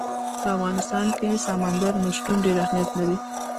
په افغانستان کې سمندر نه شتون ډېر اهمیت لري.